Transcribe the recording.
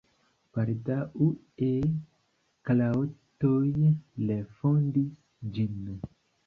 Baldaŭe kroatoj refondis ĝin.